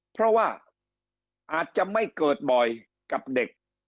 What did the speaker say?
เพราะว่าอาจจะไม่เกิดบ่อยกับเด็ก